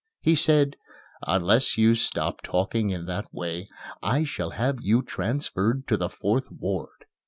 He said, "Unless you stop talking in that way I shall have you transferred to the Fourth Ward."